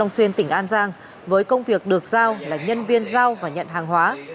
xuyên tỉnh an giang với công việc được giao là nhân viên giao và nhận hàng hóa